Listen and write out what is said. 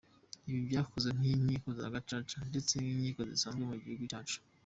Ibi byakozwe n’inkiko za Gacaca, ndetse n’inkiko zisanzwe mu gihugu cyacu!